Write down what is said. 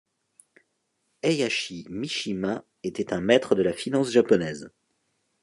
Heihachi Mishima était un maître de la finance japonaise.